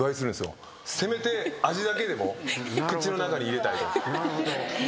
せめて味だけでも口の中に入れたいと。